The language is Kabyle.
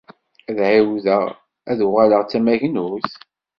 Ad ɛawdeɣ ad d-uɣaleɣ d tamagnut?